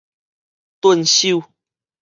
頓首